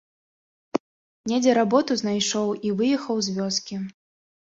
Недзе работу знайшоў і выехаў з вёскі.